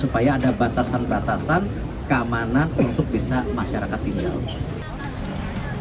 supaya ada batasan batasan keamanan untuk bisa masyarakat tinggal